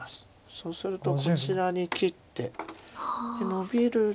そうするとこちらに切ってノビる。